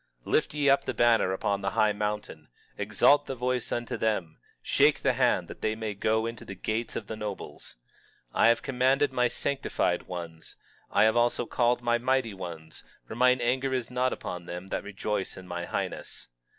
23:2 Lift ye up a banner upon the high mountain, exalt the voice unto them, shake the hand, that they may go into the gates of the nobles. 23:3 I have commanded my sanctified ones, I have also called my mighty ones, for mine anger is not upon them that rejoice in my highness.